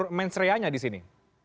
ada unsur mensreanya disini